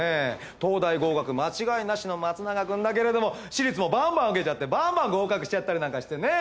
東大合格間違いなしの松永君だけれども私立もバンバン受けちゃってバンバン合格しちゃったりなんかしてね。